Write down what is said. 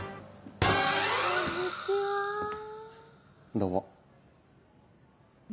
どうも。